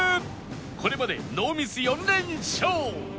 これまでノーミス４連勝